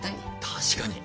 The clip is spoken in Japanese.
確かに。